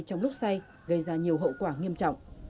trong lúc say gây ra nhiều hậu quả nghiêm trọng